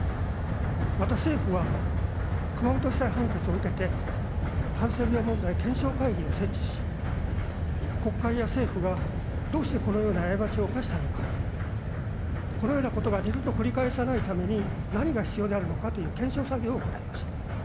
また政府は、熊本地裁判決を受けて、ハンセン病問題検証会議を設置し、国会や政府がどうしてこのような過ちを犯したのか、このようなことが二度と繰り返さないために何が必要であるのかという検証作業を行いました。